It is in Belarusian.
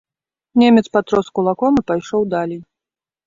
Немец патрос кулаком і пайшоў далей.